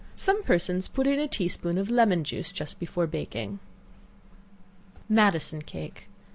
Some persons put in a tea spoonful of lemon juice just before baking. Madison Cake.